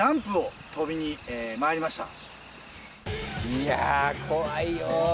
いやあ怖いよ。